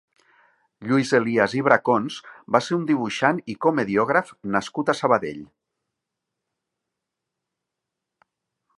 Lluís Elias i Bracons va ser un dibuixant i comediògraf nascut a Sabadell.